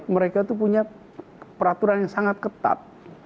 mereka itu punya peraturan yang sangat ketat